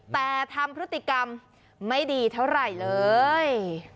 แต่ทำพฤติกรรมไม่ดีเท่าไหร่เลย